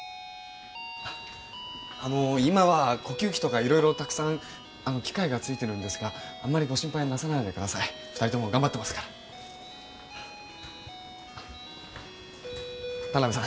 今は呼吸器とかたくさん機械がついてるんですがご心配なさらないでください二人ともがんばってますから田辺さん